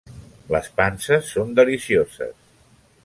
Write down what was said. Les panses són delicioses.